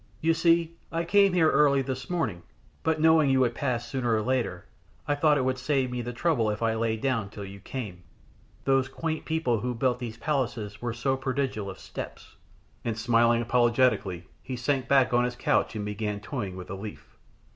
"You see I came here early this morning, but knowing you would pass sooner or later I thought it would save me the trouble if I lay down till you came those quaint people who built these places were so prodigal of steps," and smiling apologetically he sank back on his couch and began toying with a leaf.